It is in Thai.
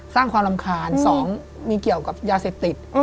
สร้างความรำคาญ๒มีเกี่ยวกับยาเสพติด